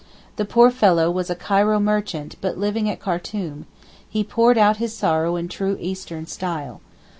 The poor fellow was a Cairo merchant but living at Khartoum, he poured out his sorrow in true Eastern style.